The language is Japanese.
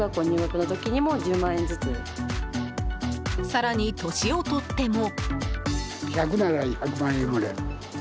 更に年を取っても。